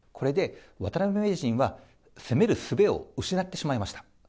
これで渡辺名人は攻めるすべを失ってしまいました。